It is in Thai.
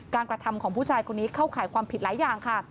กระทำของผู้ชายคนนี้เข้าข่ายความผิดหลายอย่างค่ะ